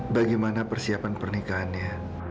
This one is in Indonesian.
bagaimana persiapan pernikahannya